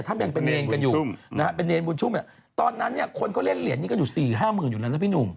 ตอนนั้นเรียนเหรียญอยู่สี่ห้าหมื่นบาท